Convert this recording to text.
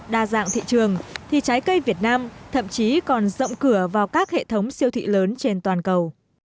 đa dạng thị trường thì trái cây việt nam thậm chí còn rộng cửa vào các hệ thống siêu thị lớn trên toàn cầu